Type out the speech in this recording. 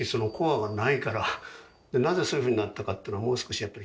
なぜそういうふうになったかっていうのをもう少しやっぱり。